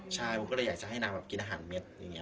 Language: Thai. ใช่บุมก็เลยอยากจะให้น้องกินอาหารเม็ดอย่างเงี้ยค่ะ